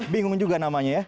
bingung juga namanya ya